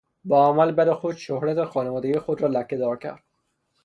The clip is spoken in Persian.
با اعمال بد خود شهرت خانوادگی خود را لکه دار کرد.